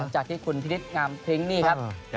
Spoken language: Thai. จากคุณพิฤติงามพิงนี่ครับ